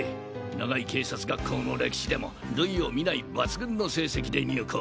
長い警察学校の歴史でも類を見ない抜群の成績で入校。